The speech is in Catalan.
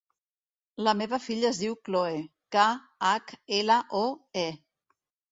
La meva filla es diu Khloe: ca, hac, ela, o, e.